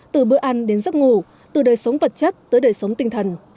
từ bữa ăn đến giấc ngủ từ đời sống vật chất tới đời sống tinh thần